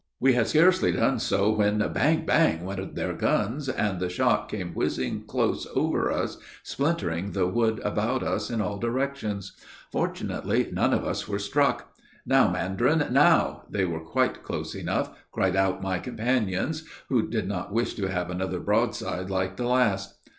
We had scarcely done so, when bang! bang! went their guns, and the shot came whizzing close over us, splintering the wood about us in all directions. Fortunately none of us were struck. "Now, mandarin, now! they are quite close enough," cried out my companions, who did not wish to have another broadside like the last.